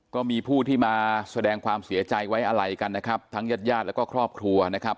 ก็มีผู้ที่มาแสดงความเสียใจไว้อะไรกันนะครับทั้งญาติญาติแล้วก็ครอบครัวนะครับ